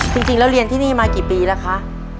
จริงแล้วเรียนที่นี่มากี่ปีแล้วคะ